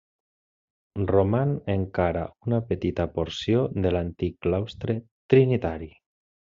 Roman encara una petita porció de l'antic claustre trinitari.